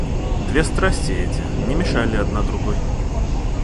Две страсти эти не мешали одна другой.